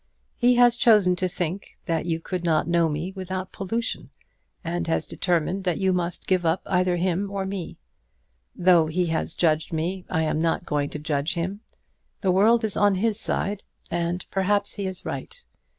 He has chosen to think that you could not know me without pollution, and has determined that you must give up either me or him. Though he has judged me I am not going to judge him. The world is on his side; and, perhaps, he is right.